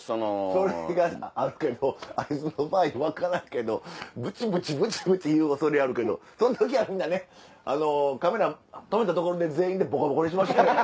それがあるけどあいつの場合分からんけどブチブチブチブチ言う恐れあるけどその時はみんなねあのカメラ止めたところで全員でボコボコにしましょう。